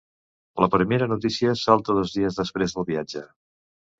La primera notícia salta dos dies després del viatge.